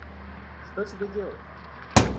Что тебе делать?